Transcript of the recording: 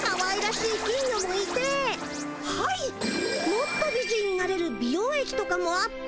もっと美人になれる美容液とかもあって。